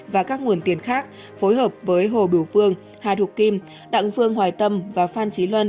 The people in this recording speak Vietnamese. và các nguồn tiền khác phối hợp với hồ biểu phương hà đục kim đặng phương hoài tâm và phan trí luân